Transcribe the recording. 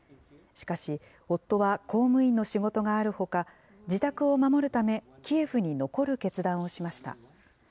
しかし、夫は公務員の仕事があるほか、自宅を守るため、キエフに残る決断をしました。